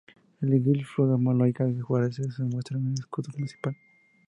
El glifo de Almoloya de Juárez se muestra en el escudo municipal.